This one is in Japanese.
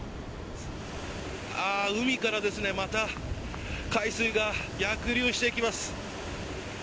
海からまた海水が逆流してきます。